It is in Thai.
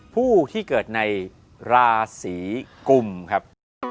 ผู้ที่เกิดในราศีกุมครับ